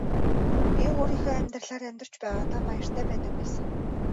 Би өөрийнхөө амьдралаар амьдарч байгаадаа баяртай байдаг байсан.